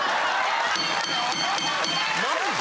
マジで？